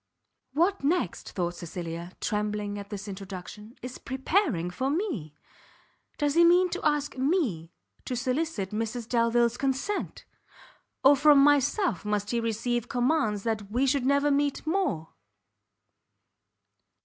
What next, thought Cecilia, trembling at this introduction, is preparing for me! does he mean to ask me to solicit Mrs Delvile's consent! or from myself must he receive commands that we should never meet more!